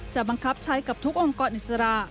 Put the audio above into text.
บังคับใช้กับทุกองค์กรอิสระ